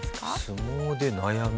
相撲で悩み？